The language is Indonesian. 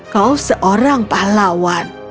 kau seorang pahlawan